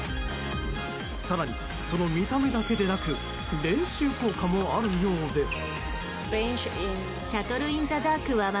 更に、その見た目だけでなく練習効果もあるようで。